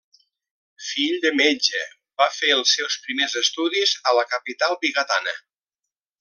Fill de metge, va fer els seus primers estudis a la capital vigatana.